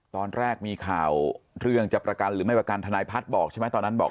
ตอนแรกมีข่าวเรื่องจะประกันหรือไม่ประกันทนายพัฒน์บอกใช่ไหมตอนนั้นบอก